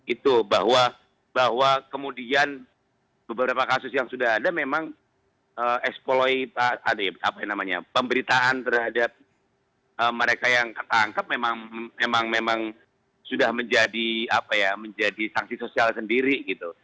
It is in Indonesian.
itu bahwa kemudian beberapa kasus yang sudah ada memang eksploi pemberitaan terhadap mereka yang tertangkap memang sudah menjadi sanksi sosial sendiri gitu